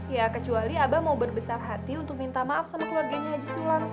ya kecuali abah mau berbesar hati untuk minta maaf sama keluarganya haji sulam